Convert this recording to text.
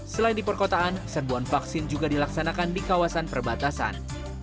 selain di perkotaan serbuan vaksin juga dilaksanakan di kawasan perbatasan